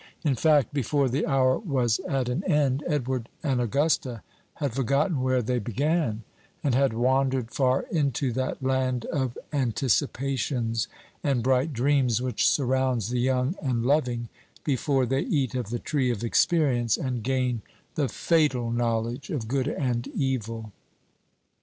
In fact, before the hour was at an end, Edward and Augusta had forgotten where they began, and had wandered far into that land of anticipations and bright dreams which surrounds the young and loving before they eat of the tree of experience, and gain the fatal knowledge of good and evil.